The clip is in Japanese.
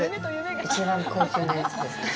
一番高級なやつですね。